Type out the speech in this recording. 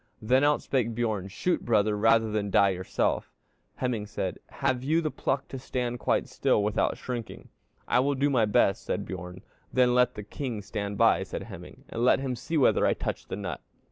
Then out spake Bjorn 'Shoot, brother, rather than die yourself.' Hemingr said, 'Have you the pluck to stand quite still without shrinking?' 'I will do my best,' said Bjorn. 'Then let the king stand by,' said Hemingr, 'and let him see whether I touch the nut.'